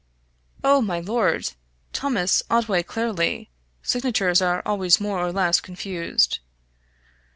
"Oh, my lord! Thomas Otway clearly signatures are always more or less confused.